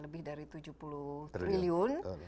lebih dari tujuh puluh triliun